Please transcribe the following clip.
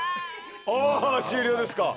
あぁ終了ですか。